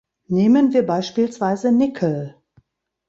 Nehmen wir beispielsweise Nickel.